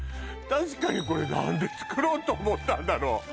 確かにこれ何で作ろうと思ったんだろう